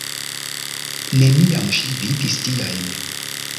Neniam ŝi vidis tiajn!